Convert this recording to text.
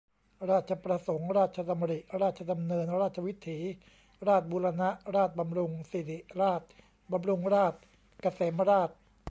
ราชประสงค์ ราชดำริ ราชดำเนิน ราชวิถี ราษฎร์บูรณะ ราษฎร์บำรุง ศิริราช บำรุงราษฎร์ เกษมราษฏร์